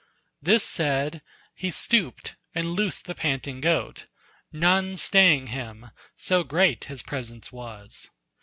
This said, he stooped and loosed the panting goat, None staying him, so great his presence was.